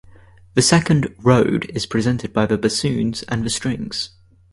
The second "road" is presented by the bassoon and the strings.